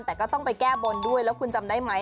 แต่ก็ต้องไปแก้บนด้วยแล้วคุณจำได้ไหม